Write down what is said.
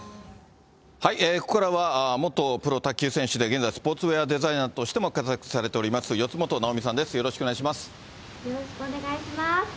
ここからは、元プロ卓球選手で、現在、スポーツウエアデザイナーとしても活躍されております、四元奈生美さんです、よろしくお願いします。